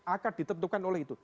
akan ditentukan oleh itu